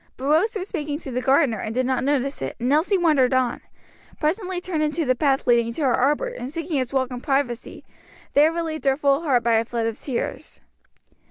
But Rose was speaking to the gardener, and did not notice it, and Elsie wandered on, presently turned into the path leading to her arbor and seeking its welcome privacy, there relieved her full heart by a flood of tears.